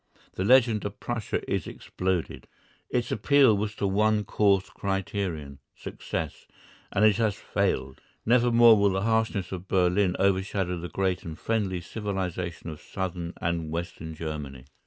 The legend of Prussia is exploded. Its appeal was to one coarse criterion, success, and it has failed. Nevermore will the harshness of Berlin overshadow the great and friendly civilisation of Southern and Western Germany.